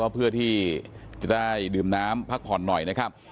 เพื่อที่จะได้ดื่มน้ำพักผ่อนหน่อยนะครับ